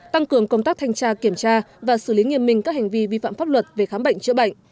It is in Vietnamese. tăng cường công tác thanh tra kiểm tra và xử lý nghiêm minh các hành vi vi phạm pháp luật về khám bệnh chữa bệnh